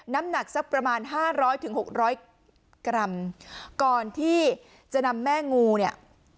น้ำหนักสักประมาณห้าร้อยถึงหกร้อยกรัมก่อนที่จะนำแม่งูเนี่ย